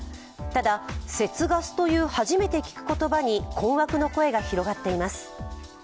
ただ、節ガスという初めて聞く言葉に困惑の声が広がっています。